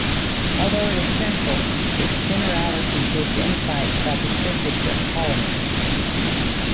Although it is simple, its generality gives insight about the physics of polymers.